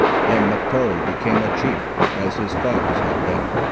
Then Mahtoree became a chief, as his fathers had been.